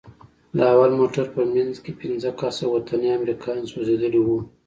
د اول موټر په منځ کښې پينځه کسه وطني امريکايان سوځېدلي وو.